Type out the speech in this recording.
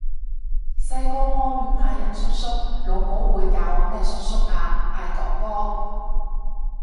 細個我亂嗌人叔叔，老母會教我咩叔叔啊！嗌哥哥！